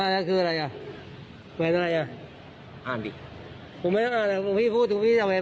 นะหน่ายดูนี้อะไรนะ